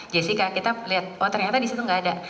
jessica kita lihat oh ternyata di situ nggak ada